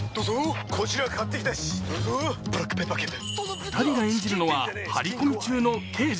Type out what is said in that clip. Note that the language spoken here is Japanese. ２人が演じるのは張り込み中の刑事。